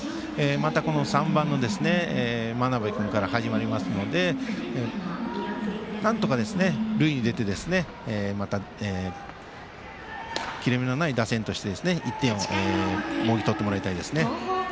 また、３番の眞邉君から始まりますのでなんとか塁に出て切れ目のない打線として１点をもぎ取ってもらいたいです。